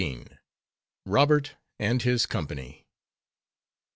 ROBERT AND HIS COMPANY.